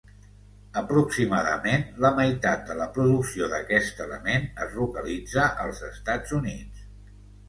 Aproximadament la meitat de la producció d'aquest element es localitza als Estats Units.